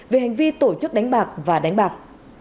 về hành vi tổ chức đánh bạc và đánh bạc